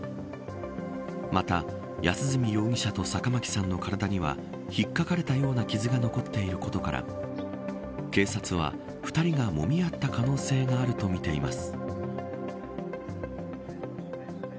また、安栖容疑者と坂巻さんの体には引っかかれたような傷が残っていることから警察は、２人がもみ合った可能性があるとみています。